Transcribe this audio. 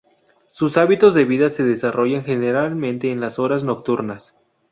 Sus hábitos de vida se desarrollan generalmente en las horas nocturnas.